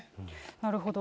なるほど。